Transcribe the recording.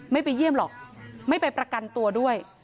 ไม่ไปเยี่ยมหรอกไม่ไปประกันตัวด้วย